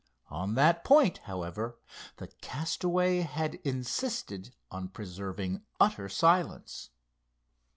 On that point, however, the castaway had insisted on preserving utter silence.